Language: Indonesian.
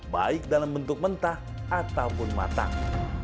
baik dalam bentuk mentah ataupun matang